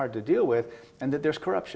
dan ada korupsi